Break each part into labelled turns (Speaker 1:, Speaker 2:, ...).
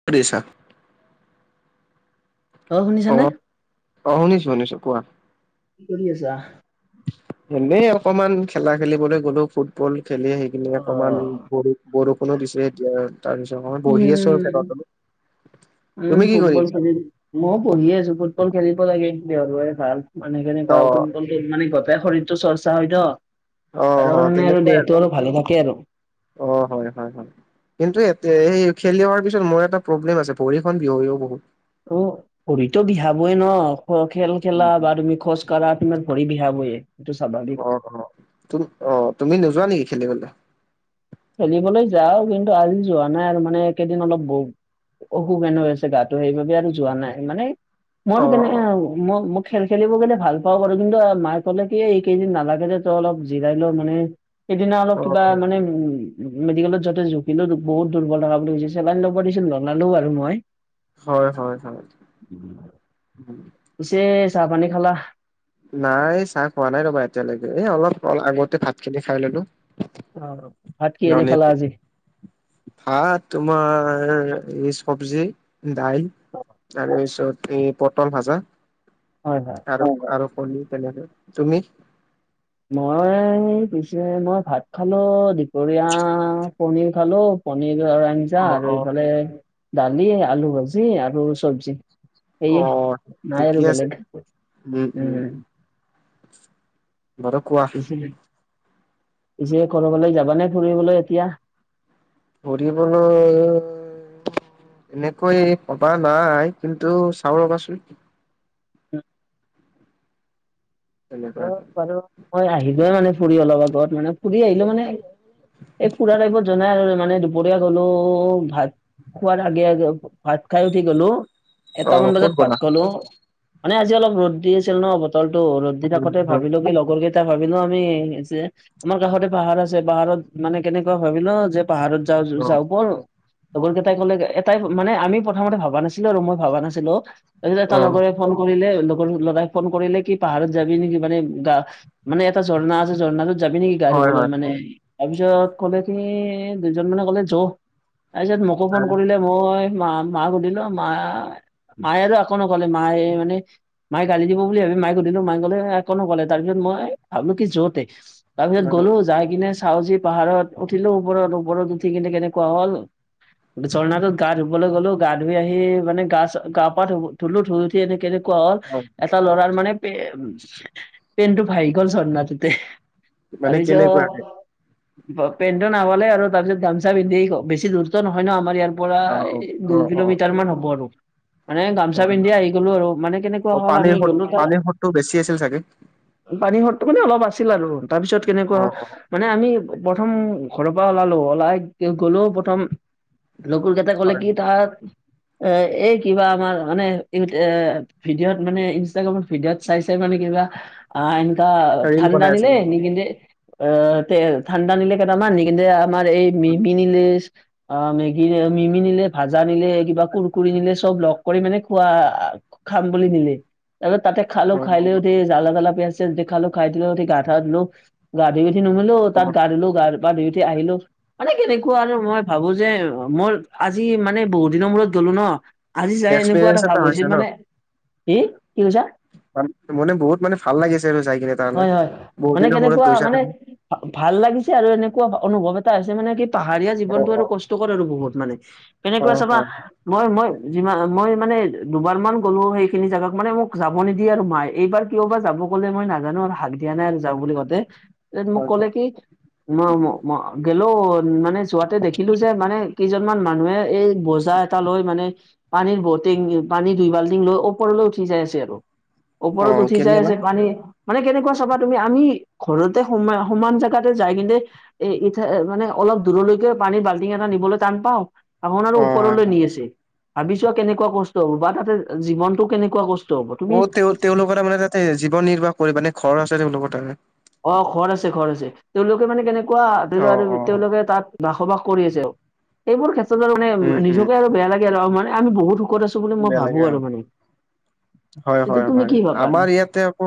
Speaker 1: কি কৰি আছা
Speaker 2: অ শুনিছানে
Speaker 1: অ শুনিছো শুনিছো কোৱা
Speaker 2: কি কৰি আছা
Speaker 1: এনেই অকমান খেলা খেলিবলৈ গ'লো ফুট বল খেলি আহি কিনে অকমান
Speaker 2: অ',
Speaker 1: বৰু বৰষুণো দিছে এতিয়া তাৰপিছত মই বহি আছো আৰু ফেনৰ
Speaker 2: উম,
Speaker 1: তলত তুমি কি কৰিছা
Speaker 2: মইও বহিয়ে আছো ফুটবল খেলিব লাগে দেহৰ বাবে ভাল মানে
Speaker 1: অ
Speaker 2: কেনেকোৱা ফুট বল খেল মানে গোটেই শৰীৰটো চৰ্চা হয় ত
Speaker 1: অ
Speaker 2: তাৰ
Speaker 1: হয়
Speaker 2: কাৰণে আৰু
Speaker 1: তেনেকুৱাই
Speaker 2: দেহটো আৰু ভালে থাকে আৰু
Speaker 1: অ হয় হয় হয় কিন্তু এটে এই খেলি অহাৰ পিছত মোৰ এটা প্ৰব্লেম আছে ভৰিখন বিহই ও বহুত
Speaker 2: অ ভৰিতো বিহাবই ন খ খেল খেলা বা তুমি খোজ কঢ়া তোমাৰ ভৰি বিহাবএ এইটো স্বাভাবিক
Speaker 1: অ অ তুম অ তুমি নোযোৱা নেকি খেলিবলৈ
Speaker 2: খেলিবলৈ যাও কিন্তু আজি যোৱা নাই আৰু মানে এই কেইদিন অলপ ব অসুখ হেনো হৈ আছে গাটো সেইবাবে আৰু যোৱা নাই মানে মোৰ
Speaker 1: অ
Speaker 2: কেনে আৰু মোৰ মোক খেল খেলিব গলে ভাল পাওঁ বাৰু কিন্তু মাই ক'লে কি এই কেইদিন নালাগে দে তই অলপ জিৰাই লওঁ মানে সেইদিনা অলপ
Speaker 1: অ অ
Speaker 2: কিবা মানে উ মেডিকেলত যোৱাতে জুখিলো বহুত দুৰ্বল থকা বুলি কৈছে চেলাইন ল'ব দিছিল নলালো বাৰু মই
Speaker 1: হয় হয় হয়
Speaker 2: পিছে চাহ পানী খালা
Speaker 1: নাই চাহ খোৱা নাই ৰ'বা এতিয়ালৈকে এই অলপ অ আগতে ভাত খিনি খাই ললো
Speaker 2: অ ভাত কিহেদি খালা আজি
Speaker 1: ভাত তোমাৰ এই চব্জি দাইল তাৰ পিছত এই পটল ভাজা
Speaker 2: হয় হয়
Speaker 1: আৰু আৰু ক তেনেকে তুমি
Speaker 2: মই পিছে মই ভাত খালো দুপৰীয়া পনীৰ খালো পনীৰৰ আৰু আঞ্জা
Speaker 1: অ',
Speaker 2: আৰু
Speaker 1: অ'।
Speaker 2: এইফালে দালি আলু ভাজি আৰু চব্জি। সেয়ে
Speaker 1: অ',
Speaker 2: নাই
Speaker 1: ঠিকে
Speaker 2: আৰু
Speaker 1: আছে।
Speaker 2: বেলেগ উম
Speaker 1: বাৰু কোৱা
Speaker 2: গৈছিলে। পিছে কৰবালে যাবানে ফুৰিবলৈ এতিয়া?
Speaker 1: পঢ়িবলৈ তেনেকৈ ভবা নাই, কিন্তু চাও ৰবাচোন।
Speaker 2: [unintelligible]
Speaker 1: তেনেকুৱা।
Speaker 2: [unintelligible] বাৰু মই আহিলোয়েই মানে ফুৰি অলপ আগত। মানে ফুৰি আহিলোঁ মানে, এ ফুৰা টাইমত জনাই আৰু মানে দুপৰীয়া গ'লো ভাত খোৱাৰ আগে-আগে ভাত খাই উঠি গ'লো।
Speaker 1: অ',
Speaker 2: এটামান
Speaker 1: ক'ত
Speaker 2: বজাত
Speaker 1: গ'লা?
Speaker 2: ভাত খালোঁ। মানে আজি অলপ ৰ'দ দি আছিল ন বতৰটো! ৰ'দ দি
Speaker 1: উম,
Speaker 2: থাকোঁতে
Speaker 1: উম,
Speaker 2: ভাবিলো কি লগৰ কেই এতিয়া ভাবিলো আমি যে আমাৰ কাষতে পাহাৰ আছে পাহাৰত মানে কেনেকুৱা ভাবিলো যে পাহাৰত যাওঁ যোৰ
Speaker 1: অ',
Speaker 2: যাওঁ বল আৰু লগৰ কেইটাই কলে এটাই মানে আমি প্ৰথমতে ভবা নাছিলো আৰু মই ভবা নাছিলো তাৰপিছত এটা
Speaker 1: অ',
Speaker 2: লগৰে ফোন কৰিলে লগৰ ল'ৰাই ফোন কৰিলে কি পাহাৰত যাবি নেকি মানে গা মানে এটা ঝৰ্ণা আছে ঝৰ্ণাটোত যাবি নেকি গা়
Speaker 1: হয়,
Speaker 2: ধুবলৈ
Speaker 1: হয়।
Speaker 2: মানে তাৰপিছত কলে কি দুজন মানে কলে জোও তাৰপিছত মোকো ফোন কৰিলে মই মা মাক সুধিলো মাই মায়ে আৰু একো নক'লে। মায়ে মানে, মায়ে গালি দিব বুলি ভাবি মাক শুধিলো। মায়ে ক'লে, এ একো নক'লে। তাৰ পিছত মই ভাবিলো কি যতে, তাৰ পিছত গ'লো। যাই কিনে হাউজি পাহাৰত উঠিলো। ওপৰত-ওপৰত উঠি কিনে কেনেকুৱা হ'ল! ঝৰনাটোত গা ধুবলৈ গ'লো। গা ধুই আহি মানে গা চা, গা-পা ধুব ধুলো। ধুই উঠ তে' কেনেকুৱা হ'ল,
Speaker 1: হয়,
Speaker 2: এটা ল'ৰাৰ মানে পেনছ পেনটো ভাহি গ'ল ঝৰ্নাটোতে। তাৰ
Speaker 1: মানে কেনেকুৱাকে?
Speaker 2: পিছত পেনটো নাপালে আৰু। তাৰপিছত গামোচা পিন্ধি বেছি দূৰতো নহয় ন আমাৰ ইয়াৰ
Speaker 1: অ', অ',
Speaker 2: পৰা দুই
Speaker 1: অ', অ',
Speaker 2: কিলোমিটাৰ মান হ'ব আৰু। মানে গামোচা পিন্ধি আহি গ'লো আৰু। মানে কেনেকুৱা হ'ল আমি গ'লো তাত
Speaker 1: টো বেছি আছিল চাগে
Speaker 2: পানী সতটো মানে অলপ আছিল আৰু তাৰ পিছত কেনেকুৱা
Speaker 1: অ', অ',
Speaker 2: মানে আমি প্ৰথম ঘৰৰ পৰা ওলালো, ওলাই তেওঁক ক'লো, প্ৰথম লগৰকেটাই
Speaker 1: হয়।
Speaker 2: ক'লে কি তাক এ এই কিবা আমাৰ মানে, ইহঁতে ভিডিঅ'ত মানে, ইনষ্টাগ্ৰামত ভিডিঅ'ত চাই-চাই মানে কিবা আ এনকা
Speaker 1: ৰিল
Speaker 2: ঠাণ্ডা
Speaker 1: বনাই
Speaker 2: দিলে
Speaker 1: আছিল
Speaker 2: দিকিনে আ তে ঠাণ্ডা নিলে কেইটামান নিকিনে আমাৰ এই মি পি নিলে অ মেগী নি, মিমি নিলে, ভাজা নিলে কিবা কুৰকুৰি নিলে, চব লগ কৰি মানে খোৱা আ খাম বুলি নিলে। তাৰপিছত তাতে
Speaker 1: অ
Speaker 2: খালোঁ, খাই লৈ উঠি জালে-জালে পিয়াঁজ-ছিয়াজ দি খালোঁ। খাই লৈ উঠি গা-ঠা ধুলো। গা ধুই উঠি নুমুউঠালো।
Speaker 1: অ
Speaker 2: তাত গা ধুলো গা-পা ধুই উঠি আহিলোঁ। মানে কেনেকুৱা আৰু মই ভাবোঁ যে, অ মোৰ আজি মানে বহুত দিনৰ মূৰত গলো ন! আজি ছাই এনেকুৱা এটা ভাব হৈছে মানে, কি কি কৈছা?
Speaker 1: মান মানে বহুত মানে ভাল লাগিছে আৰু যাই কিনে। তালৈ
Speaker 2: হয় হয়
Speaker 1: বহুত
Speaker 2: মানে
Speaker 1: দিনৰ মূৰত
Speaker 2: কেনেকুৱা,
Speaker 1: গৈছা
Speaker 2: মানে
Speaker 1: তুমি
Speaker 2: ভা ভাল লাগিছে আৰু এনেকুৱা অনুভৱ এটা হৈছে মানে কি, পাহাৰীয়া
Speaker 1: অ
Speaker 2: জীৱনটো
Speaker 1: অ
Speaker 2: আৰু কষ্ট কষ্টকৰ আৰু বহুত মানে,
Speaker 1: অ
Speaker 2: কেনেকুৱা চাবা
Speaker 1: হয়
Speaker 2: মই মই যিমান মই মানে দুবাৰমান গ'লো সেইখিনি জাগাত। মানে মোক যাব নিদিয়ে আৰু মায়ে। এইবাৰ কিয় বা যাব ক'লে মই নাজানো আৰু হাক দিয়া নাই আৰু যাওঁ
Speaker 1: হয়
Speaker 2: বুলি কওঁতে। তেওঁ মোক
Speaker 1: হয়
Speaker 2: ক'লে
Speaker 1: হয়।
Speaker 2: কি ম ম গ'লেও মানে যোৱাতে দেখিলোঁ যে মা কেইজনমান মানুহে এই বোজা এটা লৈ মানে পানীৰ বটিং, পানী দুই বাল্টিং লৈ ওপৰলৈ উঠি যাই আছে আৰু
Speaker 1: অ
Speaker 2: ওপৰত উঠি যাই
Speaker 1: কেলে বা
Speaker 2: আছে পা নী মানে কেনেকুৱা চাবা তুমি, আমি ঘৰতে সোমাই সমান জাগাতে যাই কিনে এ এতিয়া মানে অলপ দূৰলৈকে পানীৰ বাল্টিং এটা নিবলৈ টান পাওঁ ধাওনাৰো
Speaker 1: অ হয়
Speaker 2: ওপৰলৈ নি
Speaker 1: হয়
Speaker 2: আছে ভাবি চোৱা কেনেকুৱা কষ্ট হ'ব তাতে জীৱনটো কেনেকুৱা কচ
Speaker 1: অ তেওঁ তেওঁলোকৰ তাৰ মানে তাতে জীৱন নিৰ্বাহ কৰিব মানে ঘৰ আছে তেওঁলোকৰ তাতে
Speaker 2: অ ঘৰ আছে ঘৰ আছে তেওঁলোকে মানে কেনেকুৱা ধৰি
Speaker 1: অ অ
Speaker 2: লোৱা
Speaker 1: অ
Speaker 2: তেওঁলোকে তাত বাসবাস কৰি আছে আও এইবোৰ ক্ষেত্ৰত আৰু মানে
Speaker 1: উম উম
Speaker 2: নিজকে আৰু বেয়া লাগে আৰু মানে আমি বহুত সুখত আছ
Speaker 1: বেয়া লাগে অ হয়
Speaker 2: এইটো
Speaker 1: হয়
Speaker 2: তুমি
Speaker 1: হয়
Speaker 2: কি ভাবা
Speaker 1: আমাৰ ইয়াতে আকৌ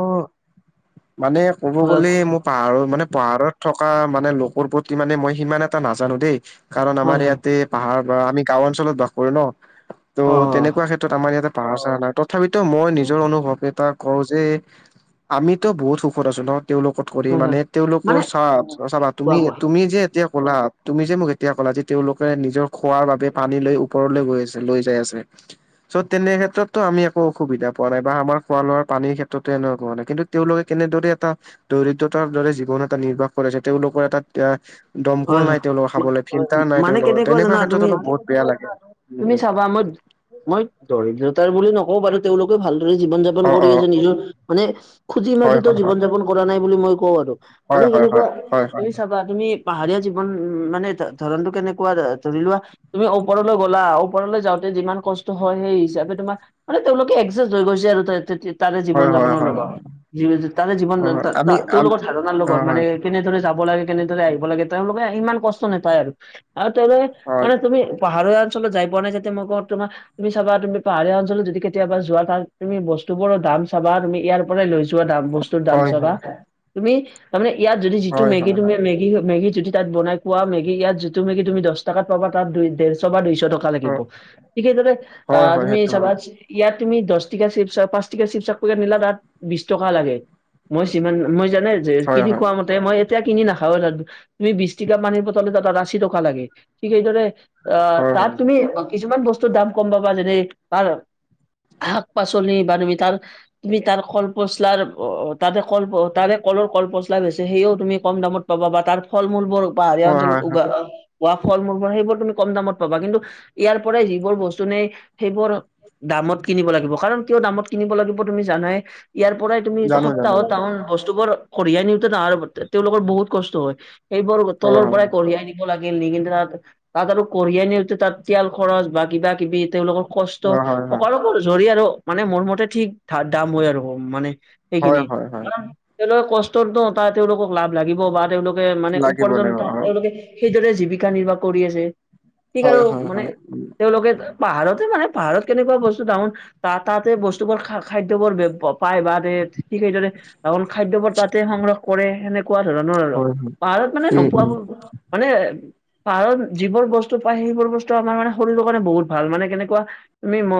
Speaker 1: মানে ক'ব
Speaker 2: হয়
Speaker 1: গ'লে মোৰ পাহাৰৰ মানে পাহাৰত থকা মানে লোকৰ প্ৰতি মানে মই সিমান এটা নাজানো দেই কাৰণ
Speaker 2: হয়
Speaker 1: আমাৰ
Speaker 2: হয়
Speaker 1: ইয়াতে পাহাৰপৰা আমি গাওঁ অঞ্চলত বাস কৰো ন, ত
Speaker 2: অ
Speaker 1: তেনেক আমাৰ ইয়াতে পাহাৰ-চাহাৰ নাই তথাপিতো মই নিজৰ অনুভৱ এটা কওঁ যে আমিতো বহুত সুখত আছো নহ তেওঁলোকত কৰি
Speaker 2: হয় হয়
Speaker 1: মানে তেওঁলোকৰ
Speaker 2: মানে
Speaker 1: চা চাবা
Speaker 2: কোৱা
Speaker 1: তুমি,
Speaker 2: কোৱা
Speaker 1: তুমি যে এতিয়া ক'লা তুমি যে মোক এতিয়া ক'লা যে তেওঁলোকে নিজৰ খোৱাৰ বাবে পানী লৈ ওপৰলৈ গৈ আছে লৈ যাই আছে। চ' তেনে ক্ষেত্ৰতো আমি একো অসুবিধা পোৱা নাই বা আমাৰ খোৱা-লোৱাৰ পানীৰ ক্ষেত্ৰতে এনেকুৱা হোৱা নাই কিন্তু তেওঁলোকে কেনেদৰে এটা দৰিদ্ৰতাৰ দৰে জীৱন এটা নিৰ্বাহ কৰে যে তেওঁলোকৰ এটা এতিয়া দমকল
Speaker 2: হয় হয়
Speaker 1: নাই তেওঁলোকৰ
Speaker 2: মা-
Speaker 1: খাবলে, ফিল্টাৰ নাই
Speaker 2: মানে
Speaker 1: তেওঁলোকৰ,
Speaker 2: কেনেকুৱা জানা
Speaker 1: তেনেকুৱা ক্ষেত্ৰত
Speaker 2: তুমি
Speaker 1: অলপ বহুত বেয়া লাগে। উম
Speaker 2: তুমি
Speaker 1: উম
Speaker 2: চাবা মই মই দৰিদ্ৰতাৰ বুলি নকওঁ বাৰু তেওঁলোকে ভালদৰে জীৱন-যাপন
Speaker 1: অ
Speaker 2: কৰি
Speaker 1: অ
Speaker 2: আছে নিজৰ মানে
Speaker 1: হয়
Speaker 2: খুজি-মাগিটো
Speaker 1: হয় হয়
Speaker 2: জীৱন-যাপন কৰা নাই বুলি মই কওঁ আৰু
Speaker 1: হয়
Speaker 2: মানে
Speaker 1: হয় হয়
Speaker 2: কেনেকুৱা
Speaker 1: হয় হয়
Speaker 2: তুমি চাবা তুমি পাহাৰীয়া জীৱন মানে ধৰণটো কেনেকুৱা ধৰি লোৱা তুমি ওপৰলৈ গ'লা, ওপৰলৈ যাওঁতে যিমান কষ্ট হয় সেই হিচাপে তোমা মানে তেওঁলোকে একজেষ্ট হৈ গৈছে আৰু তই ততে তাৰে জীৱন
Speaker 1: হয় হয়
Speaker 2: যাপনৰ
Speaker 1: হয় হয়
Speaker 2: লগ, জী জী তাৰে জীৱন
Speaker 1: হয় হয়।
Speaker 2: তা তা
Speaker 1: আমি
Speaker 2: টোৰ
Speaker 1: আম
Speaker 2: লগত ধাৰণাৰ লগত
Speaker 1: হয়
Speaker 2: মানে
Speaker 1: হয়
Speaker 2: কেনেদৰে যাব লাগে, কেনেদৰে আহিব লাগে, তেওঁলোকে আ ইমান কষ্ট নাপায় আৰু, আৰু তেওঁলোকে মানে তুমি পাহাৰীয়া অঞ্চলত যাই পোৱা নাই যাতে মই কওঁ তোমা তুমি চাবা তুমি পাহাৰীয়া অঞ্চলত যদি কেতিয়াবা যোৱা, তাত তুমি বস্তুবোৰৰ দাম চাবা, তুমি ইয়াৰ মানে লৈ যোৱা দাম বস্তুৰ দাম
Speaker 1: হয়
Speaker 2: চাবা,
Speaker 1: হয়
Speaker 2: তুমি তাৰমানে ইয়াত যদি যিটো
Speaker 1: হয় হয়
Speaker 2: মেগি
Speaker 1: হয়
Speaker 2: তুমি মেগি মেগি যদি তাত বনাই খোৱা মেগি ইয়াত যিটো তুমি দছ টকাত পাবা তাত দুই ডেৰছ বা দুইছ টকা টকা
Speaker 1: হয়
Speaker 2: লাগিব৷ঠিক সেইদৰে
Speaker 1: অ
Speaker 2: আ
Speaker 1: হয় হয়
Speaker 2: তুমি
Speaker 1: সেইটো হয়
Speaker 2: চাবাচ ইয়াত তুমি দছটিকা চিপ্‌-চ পাঁচটিকা চিপ্‌চ একপেকেট নিলা, তাত বিছ টকা লাগে৷ মই ছিমান, মই জানাই যে
Speaker 1: হয়
Speaker 2: কিনি
Speaker 1: হয়
Speaker 2: খোৱা মতে মই এতিয়া কিনি নাখাওঁৱে তাত৷ তুমি বিছটিকা পানীৰ বটল এটা তাত আশী টকা লাগে৷ঠিক সেইদৰে অ
Speaker 1: হয় হয়
Speaker 2: তাত
Speaker 1: হয়
Speaker 2: তুমি কিছুমান বস্তুৰ দাম কম পাবা, যেনে তাৰ শাক-পাচলি বা তুমি তাৰ তুমি তাৰ কল পচলাৰ অ, তাতে কল তাৰে কলৰ কল পচলা বেচে, সেইও তুমি কম দামত পাবা বা তাৰ ফল-মূল বোৰ পাহাৰীয়া
Speaker 1: হয়
Speaker 2: অঞ্চলত
Speaker 1: হয় হয়।
Speaker 2: উগা হোৱা ফল-মূলবোৰ, সেইবোৰ তুমি কম দামত পাবা, কিন্তু ইয়াৰ পৰাই যিবোৰ বস্তু নেই সেইবোৰ দামত কিনিব লাগিব৷ কাৰণ কিয় দামত কিনিব লাগিব তুমি জানাই? ইয়াৰ পৰাই তুমি
Speaker 1: জানো জানো
Speaker 2: সপ্তাহত টাউন বস্তুবোৰ কঢ়িয়াই নিওঁতে তাহাৰ, তেওঁলোকৰ বহুত কষ্ট হয়৷ এইবোৰ
Speaker 1: হয়
Speaker 2: তলৰ
Speaker 1: হয়
Speaker 2: পৰাই কঢ়িয়াই নি লাগিল, নি কিনে তাত তাত আৰু কঢ়িয়াই নিওঁতে তাত তিয়াল খৰছ বা কিবা-কিবি, তেওঁলোকৰ কষ্ট,
Speaker 1: হয় হয় হয়
Speaker 2: সকলবোৰ জৰি আৰু মানে মোৰ মতে ঠিক দাম হয় আৰু মানে
Speaker 1: হয় হয় হয় হয়।
Speaker 2: সেইখিনি৷কাৰণ, তেওঁলোকে কষ্টৰ তো তাৰ তেওঁলোকক লাভ লাগিব বা তেওঁলোকে
Speaker 1: লাগিব লাগিব
Speaker 2: উপাৰ্জনটো
Speaker 1: অ
Speaker 2: তেওঁলোকে সেইদৰে জীৱিকা নিৰ্বাহ কৰি আছে৷ ঠিক আৰু
Speaker 1: হয় হয় হয় হয়
Speaker 2: মানে,
Speaker 1: হয়
Speaker 2: তেওঁলোকে পাহাৰতে মানে পাহাৰত কেনেকুৱা বস্তু টাউন তা তাতে বস্তুবোৰ খা খাদ্যবোৰ বে পায় বা দে ঠিক সেইদৰে টাউন খাদ্যবোৰ তাতে সংগ্ৰহ কৰে সেনেকুৱা ধৰণৰ আৰু
Speaker 1: [unintelligible]
Speaker 2: পাহাৰত মানে
Speaker 1: উম
Speaker 2: নোপোৱাবোৰ মানে পাহাৰত যিবোৰ বস্তু পায়, সেইবোৰ বস্তু আমাৰ মানে শৰীৰৰ কাৰণে বহুত ভাল মানে কেনেকুৱা তুমি ম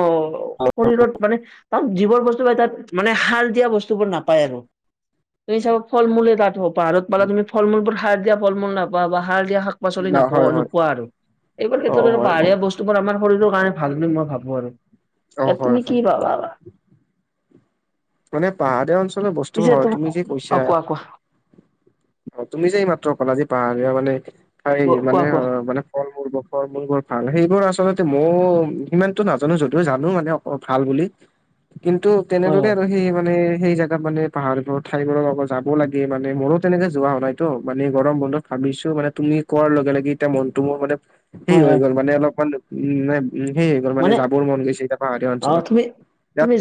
Speaker 1: হয়
Speaker 2: শৰীৰত মানে তাত যিবোৰ বস্ কি কয় তাত মানে সাৰ দিয়া বস্তুবোৰ নাপায় আৰু তুমি চাব ফল-মূলে তাত হওঁক পাহাৰত পালা তুমি ফল-মূলবোৰ সাৰ দিয়া ফল-মূল নাপাবা বা সাৰ দিয়া শাক শাক পাচলি
Speaker 1: না হয়
Speaker 2: নাপোৱা
Speaker 1: হয়।
Speaker 2: নোপোৱা আৰু এইবোৰ
Speaker 1: অ
Speaker 2: ক্ষেত্ৰত ধৰ
Speaker 1: হয় গম
Speaker 2: পাহাৰীয়া বস্তু তোমাৰ আমাৰ শৰীৰৰ কাৰণে ভাল বুলি মই ভাবো আৰু
Speaker 1: অ
Speaker 2: ইয়াত
Speaker 1: হয়
Speaker 2: তুমি
Speaker 1: হয়
Speaker 2: কি পা ভাবা
Speaker 1: মানে পাহাৰীয়া অঞ্চলৰ বস্তুবোৰ
Speaker 2: পিছে
Speaker 1: হয়
Speaker 2: তুম
Speaker 1: তুমি যে
Speaker 2: অ
Speaker 1: কৈছা
Speaker 2: কোৱা কোৱা
Speaker 1: অ তুমি যে এইমাত্ৰ কলা যে পাহাৰীয়া মানে হাই মানে
Speaker 2: কোৱা
Speaker 1: অ
Speaker 2: কোৱা
Speaker 1: মানে ফল মূলবোৰৰ ফল মূলবোৰ ভাল সেইবোৰ আচলতে মও সিমানতো নাজানো যদিও জানো মানে অ অ ভাল বুলি কিন্তু
Speaker 2: হয়
Speaker 1: তেনেকৈ
Speaker 2: হয়
Speaker 1: সেই মানে সেই জাগাত মানে পাহাৰবোৰ ঠাইবোৰ লগত যাব লাগে মানে মোৰো তেনেকে যোৱা হোৱা নাই ত' মানে গৰম বন্ধত ভাবিছো মানে তুমি কোৱাৰ লগে লগে এতিয়া মনটো মোৰ মানে সেই
Speaker 2: হয়
Speaker 1: হৈ
Speaker 2: হয়
Speaker 1: গ'ল মানে অলপমান মানে উম সেই হৈ গ'ল মানে যাবৰ মন গৈছে এতিয়া পাহাৰীয়া
Speaker 2: অ
Speaker 1: অঞ্চলত, এয়াত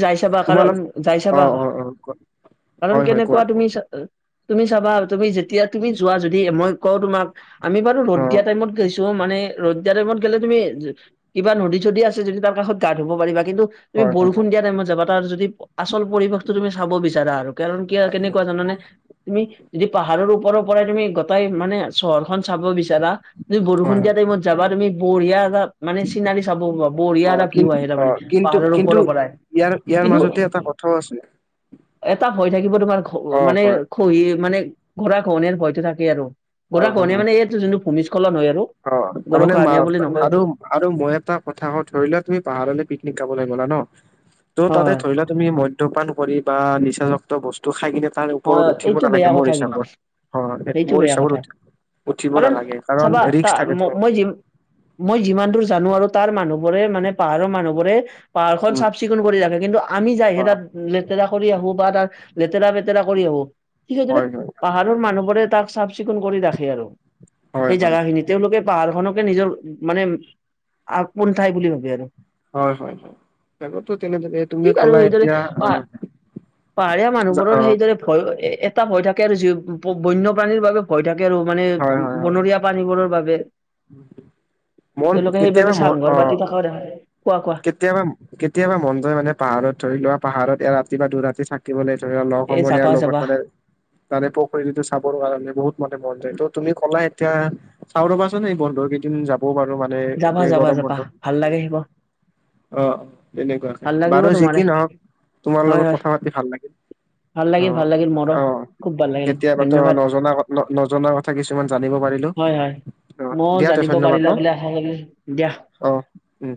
Speaker 1: তোমালোক
Speaker 2: যায়
Speaker 1: অ
Speaker 2: চাবা৷
Speaker 1: অ অ
Speaker 2: কাৰণ
Speaker 1: হয় হয়
Speaker 2: কেনেকুৱা
Speaker 1: কোৱা কোৱা
Speaker 2: তুমি চা তুমি চাবা, তুমি যেতিয়া তুমি যোৱা যদি মই কওঁ তোমাক, আমি বাৰু
Speaker 1: অ
Speaker 2: ৰ'দ দিয়া টাইমত গৈছোঁ৷ টো মানে ৰ'দ দিয়া টাইমত গেলে তুমি, কিবা নদী-চদী আছে যদি তাৰ কাষত গা ধুব পাৰিবা, কিন্তু তুমি
Speaker 1: হয় হয়
Speaker 2: বৰষুণ
Speaker 1: হয়
Speaker 2: দিয়া টাইমত যাবা তাৰ যদি আচল পৰিৱেশটো তুমি চাব বিচাৰা আৰু কাৰণ কি আৰু
Speaker 1: হয়
Speaker 2: কেনেকুৱা জানানে? তুমি যদি পাহাৰৰ ওপৰৰ পৰাই তুমি গোটাই মানে চহৰখন চাব বিচাৰা তুমি বৰষুণ
Speaker 1: হয় হয়
Speaker 2: দিয়া টাইমত যাবা তুমি বঢ়িয়া এটা মানে চিনাকি চাব
Speaker 1: অ
Speaker 2: বঢ়িয়া এটা
Speaker 1: কি
Speaker 2: ভিউ আহে
Speaker 1: অ
Speaker 2: তাৰমানে
Speaker 1: কিন্তু
Speaker 2: পাহাৰৰ
Speaker 1: কিন্তু
Speaker 2: ওপৰৰ পৰাই,
Speaker 1: ইয়াৰ ইয়াৰ
Speaker 2: কিন্তু
Speaker 1: মাজতে এটা কথাও আছে
Speaker 2: এটা ভয় থাকিব তোমাৰ ঘ
Speaker 1: অ
Speaker 2: মানে
Speaker 1: হয়
Speaker 2: খহি মানে গঢ়াখহনীয়াৰ ভয়টো থাকেই আৰু
Speaker 1: অ শুনা
Speaker 2: গঢ়াখহনীয়া মানে এইয়াতো যোনটো ভূমিস্খলন হয় আৰু।
Speaker 1: অ
Speaker 2: গৰা
Speaker 1: তাৰমানে
Speaker 2: খহনীয়া বুলি
Speaker 1: মাৰত
Speaker 2: নকয়
Speaker 1: আৰু
Speaker 2: এইটো।
Speaker 1: আৰু মই এটা কথা কওঁ ধৰি লোৱা তুমি পাহাৰলে পিকনিক খাবলে গ'লা ন, ত' তাতে
Speaker 2: হয়
Speaker 1: ধৰি লোৱা তুমি মধ্যপান কৰি বা নিচাযুক্ত বস্তু খাই কিনে তাৰ
Speaker 2: হয়
Speaker 1: ওপৰত উঠিব
Speaker 2: এইটো বেয়া
Speaker 1: নালাগে
Speaker 2: কথা
Speaker 1: মোৰ
Speaker 2: কিন্তু
Speaker 1: হিচাপত, অ
Speaker 2: এইটো
Speaker 1: মোৰ
Speaker 2: বেয়া কথা
Speaker 1: হিচাপত উঠ- উঠিব
Speaker 2: কাৰণ
Speaker 1: নালাগে কাৰণ
Speaker 2: চাবা তা
Speaker 1: ৰিক্স থাকেতো।
Speaker 2: ম- মই যি মই যিমান দূৰ জানো আৰু তাৰ মানুহবোৰে মানে পাহাৰৰ মানুহবোৰে পাহাৰখন
Speaker 1: উম
Speaker 2: চাফ চিকুণ কৰি ৰাখে কিন্তু আমি যাই হে
Speaker 1: হয়
Speaker 2: তাত লেতেৰা কৰি আহো বা তাত লেতেৰা পে তেৰা কৰি আহোম, ঠিক সেইদৰে
Speaker 1: হয় হয়
Speaker 2: পাহাৰৰ মানুহবোৰে তাক চাফ চিকুণ কৰি ৰাখে আৰু।
Speaker 1: হয়
Speaker 2: সেই
Speaker 1: হয়
Speaker 2: জাগাখিনিত। তেওঁলোকে পাহাৰখনকে নিজৰ মানে আপোন ঠাই বুলি ভাবে আৰু।
Speaker 1: হয় হয় হয় আগতো তেনেদৰে তুমি
Speaker 2: ঠিক আৰু
Speaker 1: কলা
Speaker 2: সেইদৰে
Speaker 1: এতিয়া অ
Speaker 2: পাহ পাহাৰীয়া
Speaker 1: যা-
Speaker 2: মানুহবোৰৰ
Speaker 1: অ
Speaker 2: সেইদৰে ভয় এটা ভয় থাকে আৰু জী বন্যপ্ৰাণীৰ বাবে ভয় থাকে আৰু মানে
Speaker 1: হয় হয় হয়
Speaker 2: বনৰীয়া প্ৰানীবোৰৰ বাবে।
Speaker 1: মন
Speaker 2: তেওঁলোকে
Speaker 1: কেতিয়াবা
Speaker 2: সেইবাবে
Speaker 1: ম
Speaker 2: চাংঘৰ
Speaker 1: অ
Speaker 2: পাতি থাক‌ও দেখা যায়। কোৱা কোৱা।
Speaker 1: কেতিয়াবা কেতিয়াবা মনযাই মানে পাহাৰত ধৰি লোৱা পাহাৰত এ ৰাতি বা দু ৰাতি থাকি কিমানে থাকা লগ
Speaker 2: এ যাবা
Speaker 1: সমনীয়াৰ
Speaker 2: যাবা
Speaker 1: লগত মানে- তাৰে পুখুৰীটোতো চাব নোৱাৰা বোলে, বহুত মানে মন যায় ত তুমি কলা এতিয়া চাও ৰবাচোন এই বন্ধ কেইদিন যাবও পাৰো মানে
Speaker 2: যাবা
Speaker 1: এই
Speaker 2: যাবা
Speaker 1: গৰম
Speaker 2: যাবা
Speaker 1: বন্ধত -
Speaker 2: ভাল লাগে আহিব।
Speaker 1: অ তেনেকুৱাকে
Speaker 2: ভাল লাগিব
Speaker 1: বাৰু যি
Speaker 2: তোমাৰে
Speaker 1: কি নহওক তোমাৰ
Speaker 2: হয়
Speaker 1: লগত
Speaker 2: হয়
Speaker 1: কথা পাতি ভাল লাগিল।
Speaker 2: ভাল
Speaker 1: অ
Speaker 2: লাগিল ভাল লাগিল মোৰো
Speaker 1: অ
Speaker 2: খুব ভাল লাগিল
Speaker 1: কেতিয়াবা তো
Speaker 2: ধন্যবাদ
Speaker 1: নজনা নজনা কথা কিছুমান জানিব পাৰিলো।
Speaker 2: হয় হয়,
Speaker 1: অ
Speaker 2: মইয়ো
Speaker 1: দিয়া তে
Speaker 2: জানিব
Speaker 1: ধন্যবাদ ন
Speaker 2: পাৰিলা বুলি আশা থাকিল, দিয়া।
Speaker 1: অ, উম।